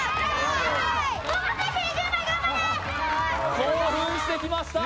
興奮してきました。